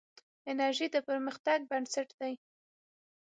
انرژي د پرمختګ بنسټ دی.